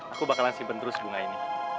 aku bakalan simpen terus bunga ini